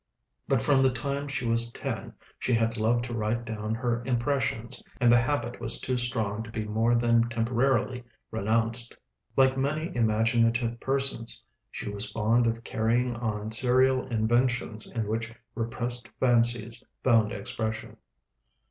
But from the time she was ten she had loved to write down her impressions, and the habit was too strong to be more than temporarily renounced. Like many imaginative persons, she was fond of carrying on serial inventions in which repressed fancies found expression.